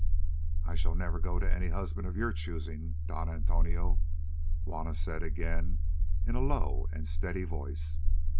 "I shall never go to any husband of your choosing, Dom Antonio," Juanna said again in a low and steady voice.